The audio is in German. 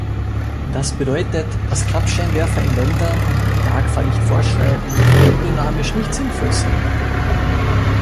Das bedeutet, dass Klappscheinwerfer in Ländern, die Tagfahrlicht vorschreiben, aerodynamisch nicht sinnvoll sind.